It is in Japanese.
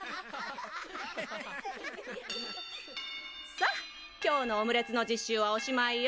さっ今日のオムレツの実習はおしまいよ。